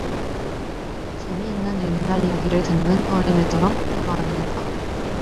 재미있는 옛날이야기를 듣는 어린애처럼 다가앉는다.